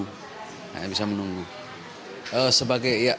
hanya bisa menunggu